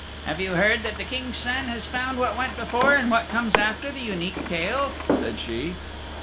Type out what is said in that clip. "Have you heard that the King's Son has found what went before, and what comes after the Unique Tale?" said she.